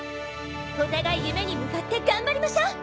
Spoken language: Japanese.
お互い夢に向かって頑張りましょ。